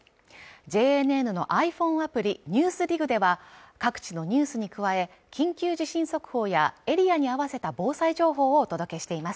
ＪＮＮのｉＰｈｏｎｅアプリ「ＮＥＷＳＤＩＧ」では各地のニュースに加え緊急地震速報やエリアに合わせた防災情報をお届けしています